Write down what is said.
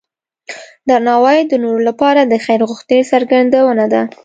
درناوی د نورو لپاره د خیر غوښتنې څرګندونه ده.